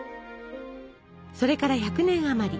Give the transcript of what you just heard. それから１００年あまり。